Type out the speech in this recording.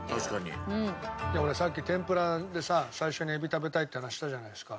俺さっき天ぷらでさ最初にエビ食べたいって話したじゃないですか。